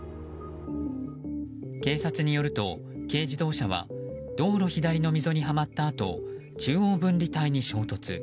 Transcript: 警察によると軽自動車は道路左の溝にはまったあと中央分離帯に衝突。